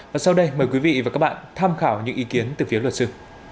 và sau đây mời quý vị và các bạn tham khảo những ý kiến từ phía luật sư